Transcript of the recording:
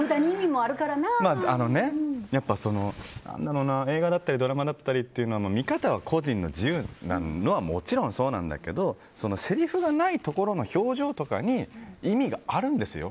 あのね、何だろうな映画だったりドラマだったりは見方は個人の自由なのはもちろんそうなんだけどせりふがないところの表情とかに意味があるんですよ。